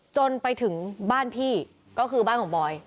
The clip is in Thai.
จนไปถึงบ้านพี่ก็คือบ้านของบอย